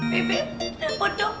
bebek aku nelfon dong